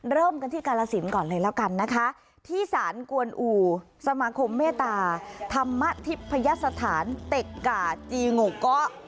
เริ่มกันที่กาลสินก่อนเลยแล้วกันนะคะที่สารกวนอู่สมาคมเมตตาธรรมทิพยสถานเต็กก่าจีโงเกาะ